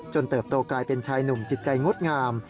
เติบโตกลายเป็นชายหนุ่มจิตใจงดงาม